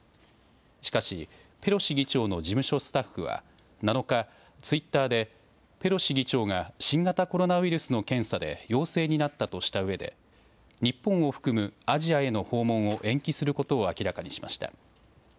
しかし、ペロシ議長の事務所スタッフは７日、ツイッターでペロシ議長が新型コロナウイルスの検査で陽性になったとしたうえで日本を含むアジアへの訪問を延期することを明らかにしました。